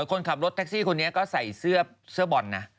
คนขับรถแท็กซี่คนนี้ก็ใส่เสื้อบอลนะ